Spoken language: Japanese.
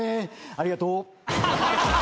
ありがとう。